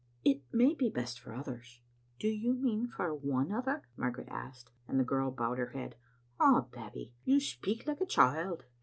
" It may be best for others. "" Do you mean for one other?" Margaret asked, and the girl bowed her head. " Ah, Babbie, you speak like a child."